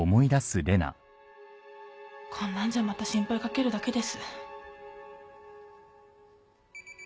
こんなんじゃまた心配かけるだけです。